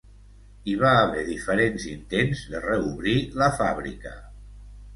Hi va haver diferents intents de reobrir la fàbrica.